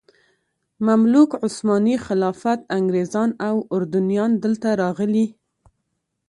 مملوک، عثماني خلافت، انګریزان او اردنیان دلته راغلي.